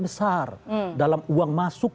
itu sangat besar dalam uang masuk